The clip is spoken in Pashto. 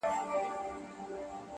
• پرون مي دومره درته وژړله،